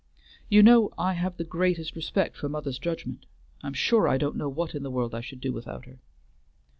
You know I have the greatest respect for mother's judgment; I'm sure I don't know what in the world I should do without her."